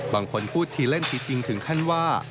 บางคนพูดทีเล่นทีจริงถึงขั้นว่า